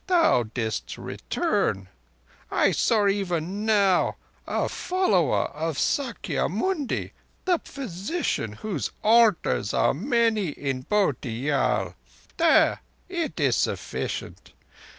Thou didst return, I saw even now, a follower of Sakyamuni, the Physician, whose altars are many in Bhotiyal. It is sufficient.